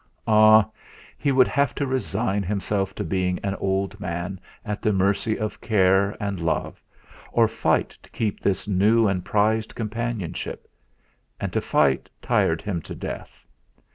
Ah! He would have to resign himself to being an old man at the mercy of care and love, or fight to keep this new and prized companionship; and to fight tired him to death.